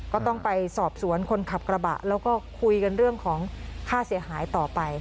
ก็ต้องไปสอบสวนคนขับกระบะแล้วก็คุยกันเรื่องของค่าเสียหายต่อไป